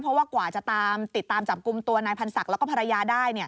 เพราะว่ากว่าจะติดตามจับกลุ่มตัวนายพันธ์ศักดิ์แล้วก็ภรรยาได้